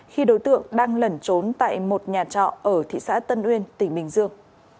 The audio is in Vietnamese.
khi đối tượng đang lẩn trốn tại một nhà trọ ở thị xã tân uyên tỉnh bình dương